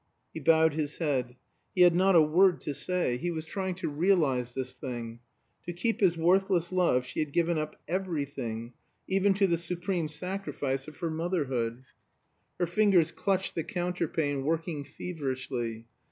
He bowed his head. He had not a word to say. He was trying to realize this thing. To keep his worthless love, she had given up everything, even to the supreme sacrifice of her motherhood. Her fingers clutched the counterpane, working feverishly.